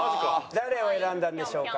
誰を選んだんでしょうか？